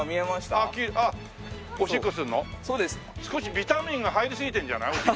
少しビタミンが入りすぎてるんじゃない？